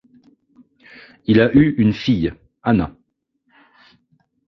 Il a eu une fille, Anna.